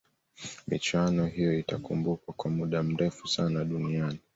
michuano hiyo itakumbukwa kwa muda mrefu sana duniani